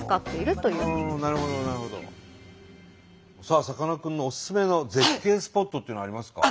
さあさかなクンのおすすめの絶景スポットっていうのはありますか？